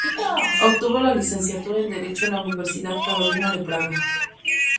Obtuvo la licenciatura en Derecho en la Universidad Carolina de Praga.